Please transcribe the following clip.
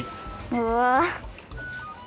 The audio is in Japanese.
うわ。